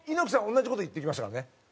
同じ事言ってきましたからね。